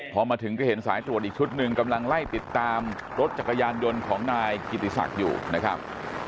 พอมาถึงก็เห็นสายตรวจอีกชุดหนึ่งกำลังไล่ติดตามรถจักรยานยนต์ของนายกิติศักดิ์อยู่นะครับ